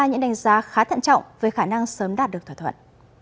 những đánh giá khá thận trọng về khả năng sớm đạt được thỏa thuận